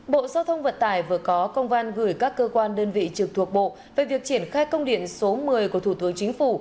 bộ giao thông vận tải vừa có công văn gửi các cơ quan đơn vị trực thuộc bộ về việc triển khai công điện số một mươi của thủ tướng chính phủ